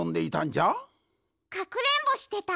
かくれんぼしてた！